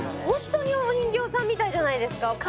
本当にお人形さんみたいじゃないですか。